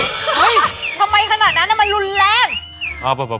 เฮ้ยทำไมขนาดนั้นมันรุนแรง